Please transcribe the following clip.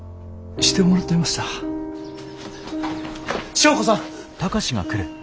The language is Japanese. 祥子さん！